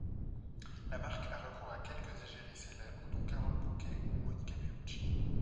La marque a recours à quelques égéries célèbres dont Carole Bouquet ou Monica Bellucci.